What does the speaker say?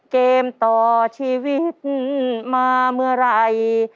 เกมต่อชีวิตมาเมื่อไหร่